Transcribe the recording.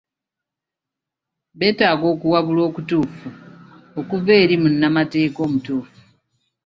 Betaaga okuwabulwa okutuufu okuva eri munnamateeka omutuufu.